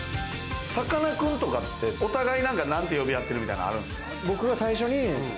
さかなクンとかってお互い何て呼び合ってるみたいなのあるんですか？